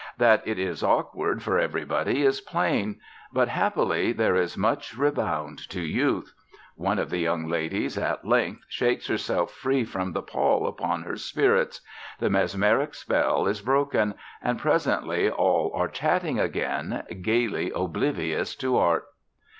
That it is awkward for everybody is plain. But, happily, there is much rebound to youth. One of the young ladies, at length, shakes herself free from the pall upon her spirits; the mesmeric spell is broken; and presently all are chatting again, gaily oblivious to Art.